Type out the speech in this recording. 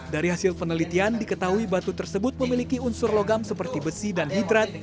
dari hasil penelitian diketahui batu tersebut memiliki unsur logam seperti besi dan hidrat